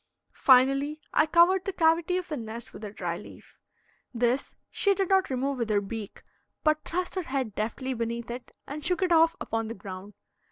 Finally, I covered the cavity of the nest with a dry leaf. This she did not remove with her beak, but thrust her head deftly beneath it and shook it off upon the ground.